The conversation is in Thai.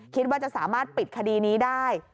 คิดว่าจะสามารถปิดคดีนี้ได้